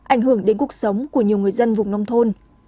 ảnh hưởng đến cuộc sống của nhiều người dân vùng nông thôn